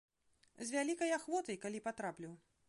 З вялікай ахвотай, калі патраплю.